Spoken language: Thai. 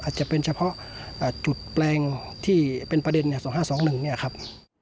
อาจจะเป็นเฉพาะอ่าจุดแปลงที่เป็นประเด็นเนี่ยสองห้าสองหนึ่งเนี่ยครับ